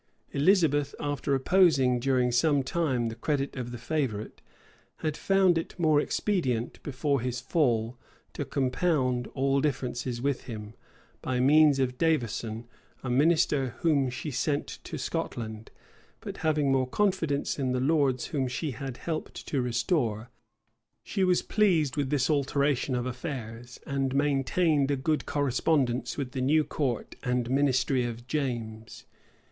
Elizabeth, after opposing during some time the credit of the favorite, had found it more expedient, before his fall, to compound all differences with him, by means of Davison, a minister whom she sent to Scot land; but having more confidence in the lords whom she had helped to restore, she was pleased with this alteration of affairs; and maintained a good correspondence with the new court and ministry of James.